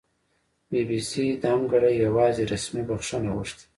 بي بي سي دمګړۍ یواځې رسمي بښنه غوښتې